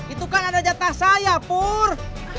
itu kan ada jatah saya pur